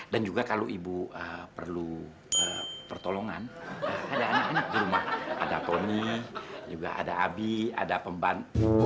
dan juga kalau ibu eh perlu pertolongan eh ada anak anak di rumah ada tony juga ada abi ada pemban